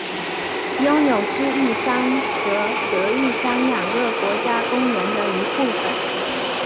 拥有智异山和德裕山两个国家公园的一部份。